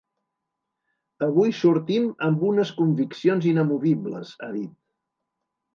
Avui sortim amb unes conviccions inamovibles, ha dit.